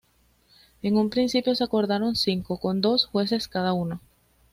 En un principio se acordaron cinco, con dos jueces cada uno.